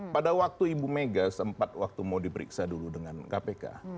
pada waktu ibu mega sempat waktu mau diperiksa dulu dengan kpk